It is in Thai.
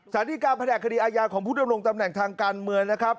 สารดีการแผนกคดีอาญาของผู้ดำรงตำแหน่งทางการเมืองนะครับ